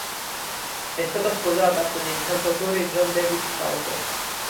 È stata sposata con il cantautore John David Souther.